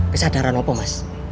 kesadaran apa mas